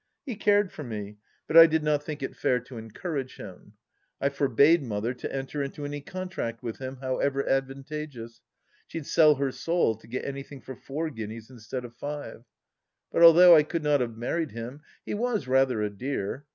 He cared for me, but I did not think 94 THE LAST DITCH it fair to encourage him. I forbade Mother to enter into any contract with him, however advantageous. She'd sell her soul to get anything for four guineas instead of five. But although I could not have married him, he was rather a dear.